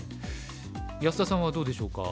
安田さんはどうでしょうか？